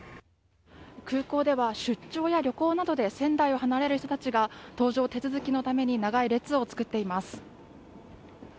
空港では、出張や旅行などで仙台を離れる人たちが、搭乗手続きのために長い列を作っています。